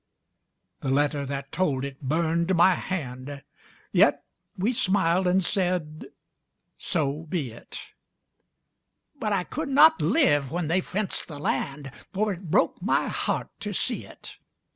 The letter that told it burned my hand. Yet we smiled and said, "So be it!" But I could not live when they fenced the land, For it broke my heart to see it.